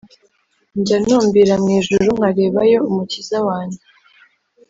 Njya ntumbira mu ijuru nkarebayo umukiza wanjye